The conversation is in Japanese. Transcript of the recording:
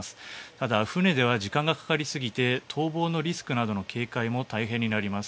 ただ、船では時間がかかりすぎて逃亡のリスクなどの警戒も大変になります。